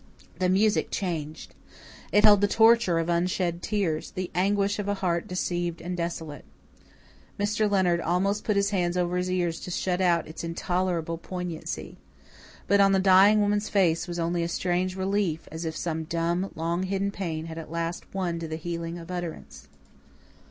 The music changed. It held the torture of unshed tears, the anguish of a heart deceived and desolate. Mr. Leonard almost put his hands over his ears to shut out its intolerable poignancy. But on the dying woman's face was only a strange relief, as if some dumb, long hidden pain had at last won to the healing of utterance.